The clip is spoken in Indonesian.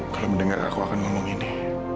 kalau mendengar aku akan ngomong ini